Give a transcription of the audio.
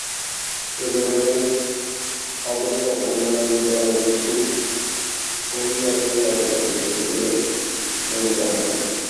এ ধরনের অবস্থা অন্যান্য জনগোষ্ঠীর অভিবাসনে অবদান রেখেছে বলে মনে করা হয়।